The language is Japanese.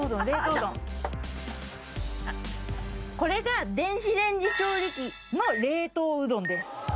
これが電子レンジ調理器の冷凍うどんです。